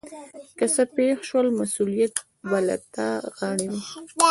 که څه پیښ شول مسؤلیت به تا له غاړې وي.